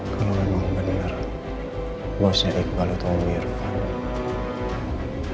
kalau memang bener bosnya iqbal itu om irvan